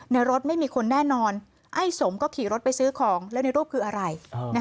รถไม่มีคนแน่นอนไอ้สมก็ขี่รถไปซื้อของแล้วในรูปคืออะไร